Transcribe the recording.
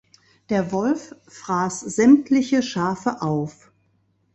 Der Wolf fraß sämtliche Schafe auf.